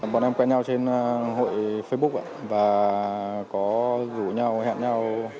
bọn em quen nhau trên hội facebook và có rủ nhau hẹn nhau